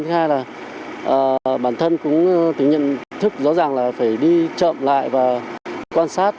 thứ hai là bản thân cũng tính nhận thức rõ ràng là phải đi chậm lại và quan sát